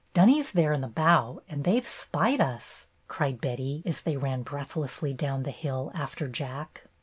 Dunny's there in the bow, and they 've spied us," cried Betty, as they ran breathlessly down the hill after Jack.